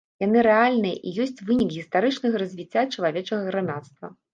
Яны рэальныя і ёсць вынік гістарычнага развіцця чалавечага грамадства.